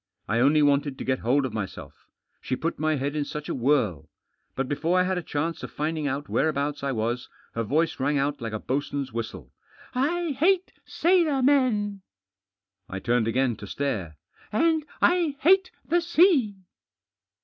I only wanted to get hold of myself She put my head in such a whirl. But before I had a chance of finding out whereabouts I was her voice rang out like a boatswain's whistle. "I hate sailor men." I turned again to stare. " And I hate the sea